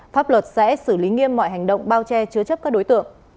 pháp luật sẽ xử lý nghiêm mọi hành động bao che chứa chấp các đối tượng